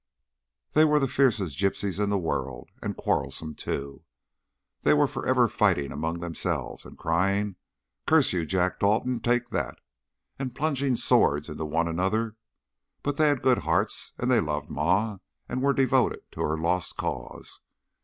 They were the fiercest gypsies in the world, and quarrelsome, too. They were forever fighting among themselves and crying: "Curse you, Jack Dalton! Take that!" and plunging swords into one another, but they had good hearts and they loved Ma and were devoted to her lost cause.